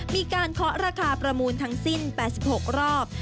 เคาะราคาประมูลทั้งสิ้น๘๖รอบ